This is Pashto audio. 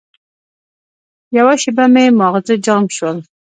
یوه شېبه مې ماغزه جام شول.